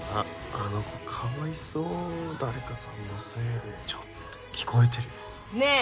あの子かわいそう誰かさんのせいでちょっと聞こえてるよねえ